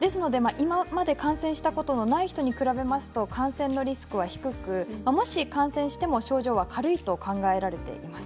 今まで感染したことのない人に比べると感染のリスクは低くもし感染しても症状は軽いといわれています。